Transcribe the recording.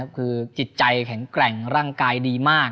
คือจิตใจแข็งแกร่งร่างกายดีมาก